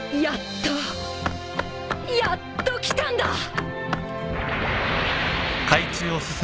やっと来たんだ！